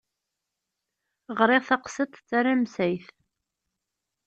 Ɣriɣ taqsiṭ d taramsayt.